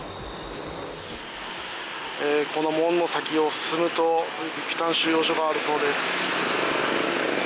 この門の先を進むと、ビクタン収容所があるそうです。